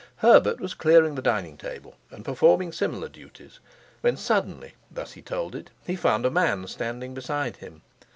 Herbert was clearing the dining table and performing similar duties, when suddenly (thus he told it) he found a man standing beside him.